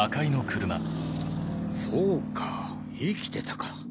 そうか生きてたか。